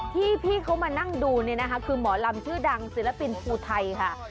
ที่พี่เขามานั่งดูเนี่ยนะคะคือหมอลำชื่อดังศิลปินภูไทยค่ะ